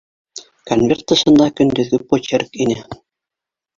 Конверт тышында көндөҙгө почерк ине